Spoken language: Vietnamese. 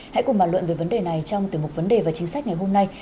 hãy cùng bàn luận về vấn đề này trong tiểu mục vấn đề và chính sách ngày hôm nay